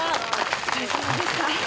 お疲れさまでした。